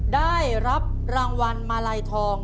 ได้รับรางวัลมาลัยทอง